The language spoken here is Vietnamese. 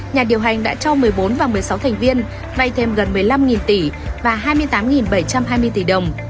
nhà điều hành đã cho một mươi bốn và một mươi sáu thành viên vay thêm gần một mươi năm tỷ và hai mươi tám bảy trăm hai mươi tỷ đồng